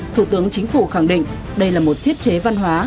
thủ tướng chính phủ khẳng định đây là một thiết chế văn hóa